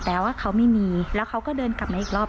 แต่ว่าเขาไม่มีแล้วเขาก็เดินกลับมาอีกรอบ